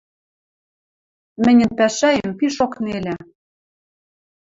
— Мӹньӹн пӓшӓэм пишок нелӹ.